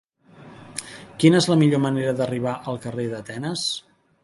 Quina és la millor manera d'arribar al carrer d'Atenes?